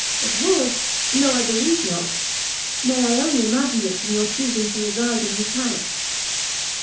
"Abroad? no, I believe not." "Nay, I only imagined it from your chusing to reside in his house."